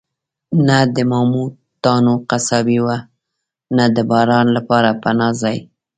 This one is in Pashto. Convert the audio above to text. نه د ماموتانو قصابي وه، نه د باران لپاره پناه ځای.